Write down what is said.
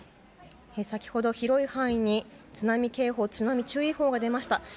先ほど広い範囲に津波警報津波注意報が出ました。